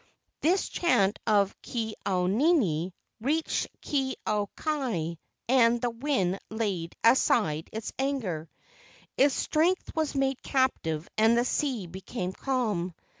This chant of Ke au nini reached Ke au kai, and the wind laid aside its anger. Its strength was made captive and the sea became calm.